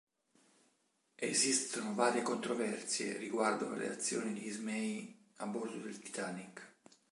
Esistono varie controversie riguardo alle azioni di Ismay a bordo del "Titanic".